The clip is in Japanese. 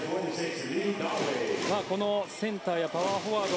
このセンターやパワーフォワード